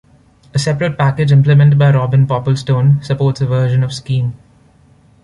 A separate package implemented by Robin Popplestone supports a version of Scheme.